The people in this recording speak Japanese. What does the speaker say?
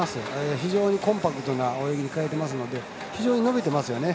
非常にコンパクトな泳ぎに変えていますので非常に伸びてますよね。